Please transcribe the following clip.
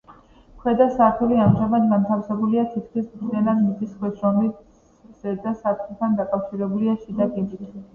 ქვედა სართული ამჟამად განთავსებულია თითქმის მთლიანად მიწის ქვეშ, რომელიც ზედა სართულთან დაკავშირებულია შიდა კიბით.